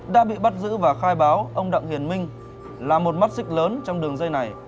đã bị bắt giữ và khai báo ông đặng hiền minh là một mắt xích lớn trong đường dây này